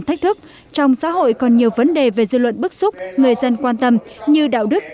thách thức trong xã hội còn nhiều vấn đề về dư luận bức xúc người dân quan tâm như đạo đức